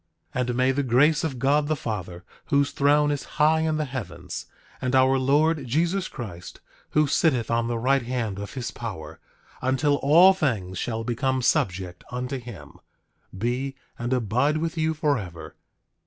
9:26 And may the grace of God the Father, whose throne is high in the heavens, and our Lord Jesus Christ, who sitteth on the right hand of his power, until all things shall become subject unto him, be, and abide with you forever.